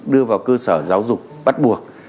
đưa vào cơ sở giáo dục bắt buộc